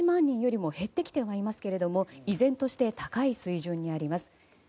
人よりも減ってきてはいますけれども依然として高い水準にあります。